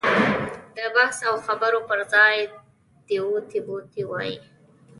د بحث او خبرو پر ځای دې اوتې بوتې ووایي.